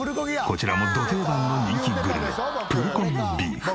こちらもど定番の人気グルメプルコギビーフ。